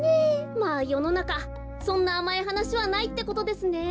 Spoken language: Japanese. まあよのなかそんなあまいはなしはないってことですね。